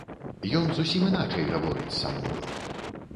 Ён зусім іначай гаворыць са мною.